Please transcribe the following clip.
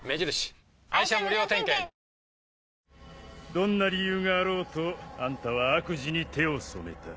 どんな理由があろうとあんたは悪事に手を染めた。